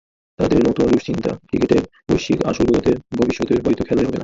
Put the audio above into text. তাদের নতুন দুশ্চিন্তা, ক্রিকেটের বৈশ্বিক আসরগুলোতে ভবিষ্যতে হয়তো খেলাই হবে না।